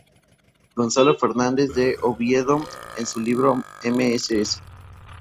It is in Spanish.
Gonzalo Fernandez de Oviedo en su libro "Mss.